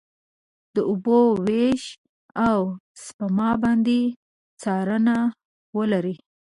اوبو وېش، او سپما باندې څارنه ولري.